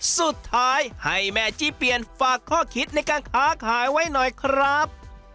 สุดท้ายให้แม่จี้เปลี่ยนฝากข้อคิดในการค้าขายไว้หน่อยครับ